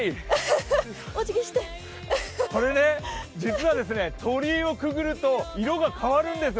お辞儀してこれ実は鳥居をくぐるといろが変わるんですよ。